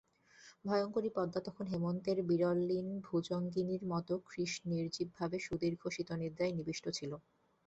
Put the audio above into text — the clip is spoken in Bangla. ভয়ংকরী পদ্মা তখন হেমন্তের বিবরলীন ভুজঙ্গিনীর মতো কৃশ নির্জীবভাবে সুদীর্ঘ শীতনিদ্রায় নিবিষ্ট ছিল।